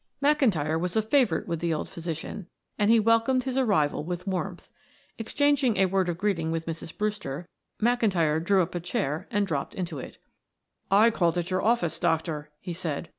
McIntyre was a favorite with the old physician, and he welcomed his arrival with warmth. Exchanging a word of greeting with Mrs. Brewster, McIntyre drew up a chair and dropped into it. "I called at your office, doctor," he said.